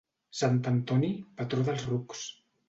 Sant Antoni, patró dels rucs.